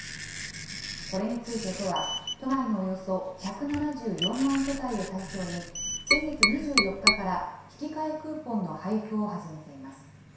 これについて都は、都内のおよそ１７４万世帯を対象に、先月２４日から引き換えクーポンの配布を始めています。